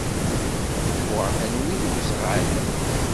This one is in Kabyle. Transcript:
Uɣeɣ tannumi d uzɣal.